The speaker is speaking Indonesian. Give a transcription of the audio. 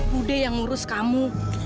budde yang ngurus kamu